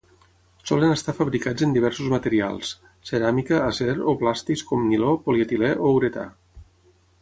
Solen estar fabricats en diversos materials: ceràmica, acer, o plàstics com niló, polietilè o uretà.